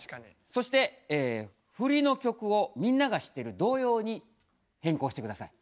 そしてフリの曲をみんなが知ってる童謡に変更して下さい。